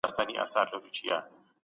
بهرنی سیاست ګټور پلان دی.